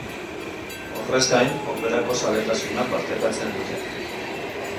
Horrez gain, operarako zaletasuna partekatzen dute.